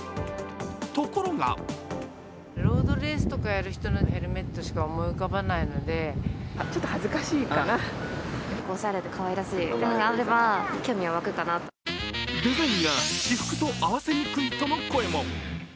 ところがデザインが私服と合わせにくいとの声も。